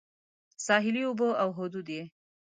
ساحلي اوبه او حدود یې